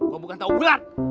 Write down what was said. gua bukan tahu bulat